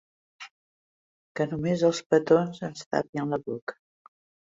Que només els petons ens tapin la boca